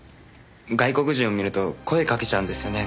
外国人を見ると声かけちゃうんですよね